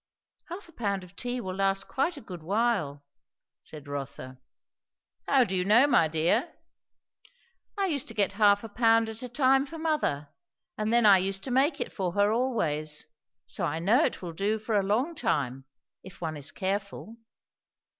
"Half a pound of tea will last quite a good while," said Rotha. "How do you know, my dear?" "I used to get half a pound at a time for mother, and then I used to make it for her always; so I know it will do for a long time, if one is careful."